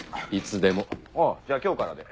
おうじゃあ今日からで。